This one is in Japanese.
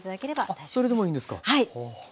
あっそれでもいいんですか。